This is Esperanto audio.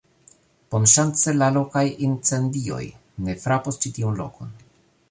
bonŝance la lokaj incendioj ne frapos ĉi tiun lokon.